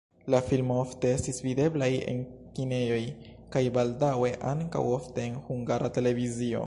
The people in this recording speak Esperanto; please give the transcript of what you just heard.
La filmo ofte estis videblaj en kinejoj kaj baldaŭe ankaŭ ofte en Hungara Televizio.